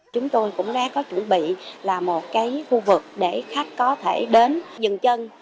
chúng tôi cũng đã có chuẩn bị là một khu vực để khách có thể đến dừng chân